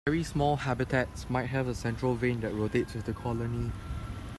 Very small habitats might have a central vane that rotates with the colony.